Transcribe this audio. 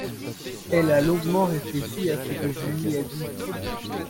Elle a longuement réfléchi à ce que je lui ai dit.